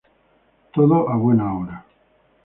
Todo a buena hora.